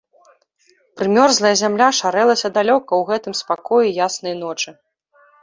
Прымерзлая зямля шарэлася далёка ў гэтым спакоі яснай ночы.